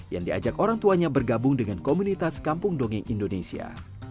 yang diajak orang tuanya bergabung dengan komunitas kampung dongeng indonesia